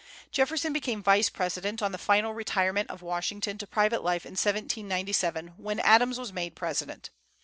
Jefferson became Vice President on the final retirement of Washington to private life in 1797, when Adams was made President.